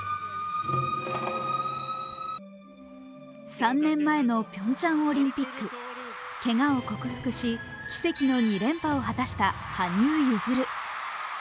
３年前のピョンチャンオリンピック、けがを克服し、奇跡の２連覇を果たした羽生結弦。